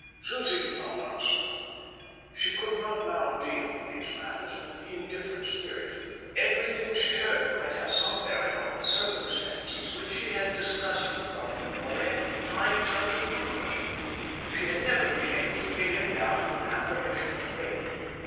Susie did not answer. She could not now deal with these matters in an indifferent spirit. Everything she heard might have some bearing on the circumstances which she had discussed with Dr Porhoët times out of number. She had never been able to pin him down to an affirmation of faith.